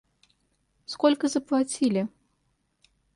Сколько заплатили?